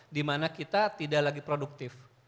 dimana kita tidak lagi produktif